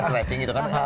stretching gitu kan